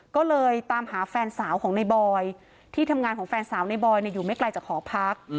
ก็เลยตามหาแฟนสาวของในบอยที่ทำงานของแฟนสาวในบอยอยู่ไม่ไกลจากหอพัก